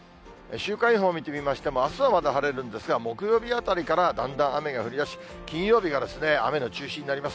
週間予報見てみましても、あすはまだ晴れるんですが、木曜日あたりからだんだん雨が降りだし、金曜日が雨の中心になります。